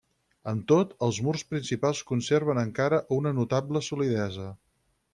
Amb tot, els murs principals conserven encara una notable solidesa.